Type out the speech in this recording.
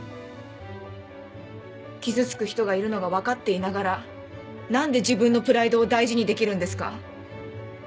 傷つく人がいるのが分かっていながら何で自分のプライドを大事にできるんですか？